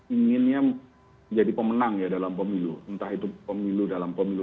inginnya menjadi pemenang ya dalam pemilu entah itu pemilu dalam pemilu